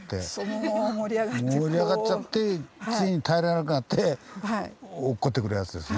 盛り上がっちゃってついに耐えられなくなって落っこってくるやつですね。